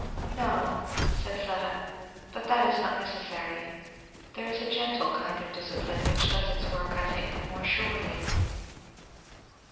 "No " said Fleda, "but that is not necessary. There is a gentle kind of discipline which does its work I think more surely."